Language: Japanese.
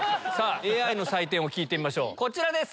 ＡＩの採点を聞いてみましょうこちらです。